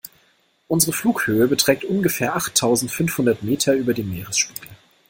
Unsere Flughöhe beträgt ungefähr achttausendfünfhundert Meter über dem Meeresspiegel.